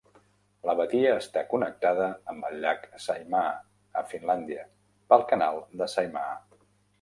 La badia està connectada amb el llac Saimaa, a Finlàndia, pel canal de Saimaa.